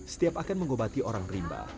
setiap akan mengobati orang rimba